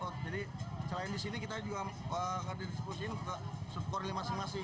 jadi selain di sini kita juga didistribusikan ke sub korwil masing masing